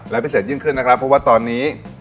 และพิเศษยิ่งขึ้นนะครับเพราะว่าตอนนี้